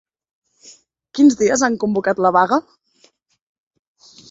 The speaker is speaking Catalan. Quins dies han convocat la vaga?